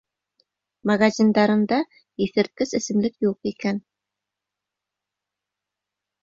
Магазиндарында иҫерткес эсемлек юҡ икән.